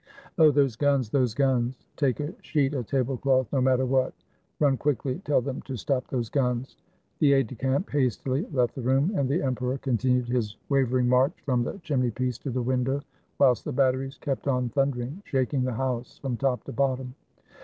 ''Oh! those guns, those guns! Take a sheet, a table cloth, no matter what! Run quickly, tell them to stop those guns!" The aide de camp hastily left the room, and the em peror continued his wavering march from the chimney piece to the window, whilst the batteries kept on thun dering, shaking the house from top to bottom.